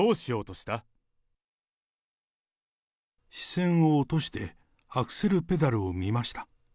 視線を落として、アクセルペダルを見ました。